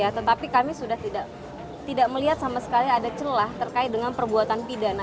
tetapi kami sudah tidak melihat sama sekali ada celah terkait dengan perbuatan pidana